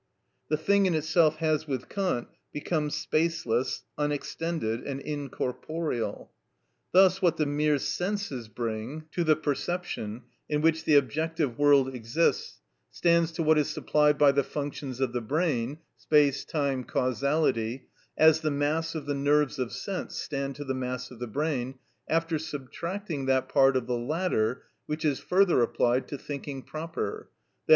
The thing in itself has with Kant become spaceless, unextended, and incorporeal. Thus what the mere senses bring to the perception, in which the objective world exists, stands to what is supplied by the functions of the brain (space, time, causality) as the mass of the nerves of sense stand to the mass of the brain, after subtracting that part of the latter which is further applied to thinking proper, _i.